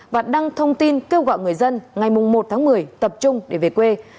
và đăng thông tin kêu gọi người dân ngày một tháng một mươi tập trung để về quê